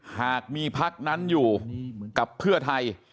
หากมีพักนั้นอยู่กับเพื่อไทย